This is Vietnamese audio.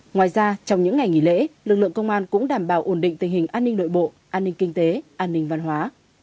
ngoài ra trong những ngày nghỉ lễ lực lượng công an cũng đảm bảo ổn định tình hình an ninh nội bộ an ninh kinh tế an ninh văn hóa